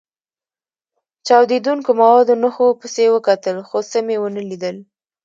چاودېدونکو موادو نښو پسې وکتل، خو څه مې و نه لیدل.